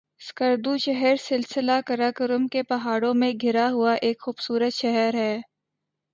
سکردو شہر سلسلہ قراقرم کے پہاڑوں میں گھرا ہوا ایک خوبصورت شہر ہے